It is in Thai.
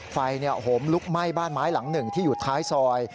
โหมลุกไหม้บ้านไม้หลังหนึ่งที่อยู่ท้ายซอย